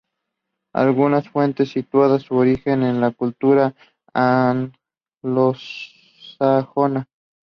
Algunas fuentes sitúan su origen en de la cultura anglosajona.